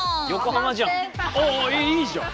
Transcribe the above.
ああいいじゃん。